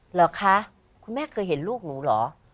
เหรอคะคุณแม่เคยเห็นลูกหนูเหรอ